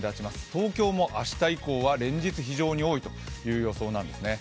東京も明日以降は連日非常に多いという予想なんですね。